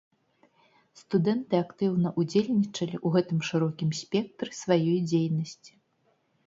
Студэнты актыўна ўдзельнічалі ў гэтым шырокім спектры сваёй дзейнасці.